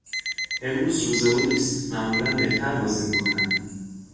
امروز روز او نیست، معمولا بهتر بازی میکند.